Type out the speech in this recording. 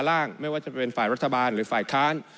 ไม่ว่าจะเป็นฝ่ายรัฐบาลหรือฝ่ายค้าน